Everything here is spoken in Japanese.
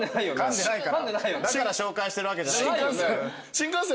だから紹介してるわけじゃない。